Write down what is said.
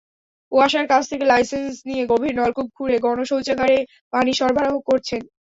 ওয়াসার কাছ থেকে লাইসেন্স নিয়ে গভীর নলকূপ খুঁড়ে গণশৌচাগারে পানি সরবরাহ করছেন।